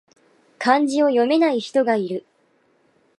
漢字を読めない人がいる